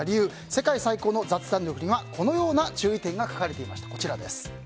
「世界最高の雑談力」にはこのような注意点が書かれていました。